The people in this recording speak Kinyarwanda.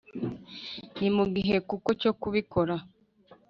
Ni mu gihe kuko cyokubikora.